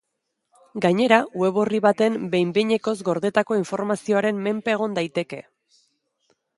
Gainera, web orri bat behin-behinekoz gordetako informazioaren menpe egon daiteke.